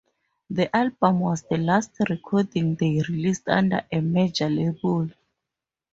The album was the last recording they released under a major label.